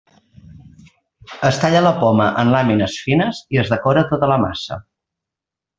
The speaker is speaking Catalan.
Es talla la poma en làmines fines i es decora tota la massa.